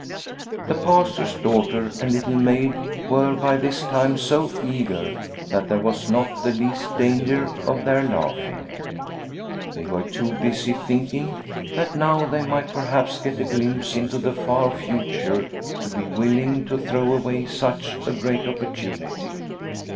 The Pastor's daughter and Little Maid were by this time so eager that there was not the least danger of their laughing. They were too busy thinking that now they might perhaps The Magic Pancake 93 get a glimpse into the far future to be willing to throw away such a great opportunity.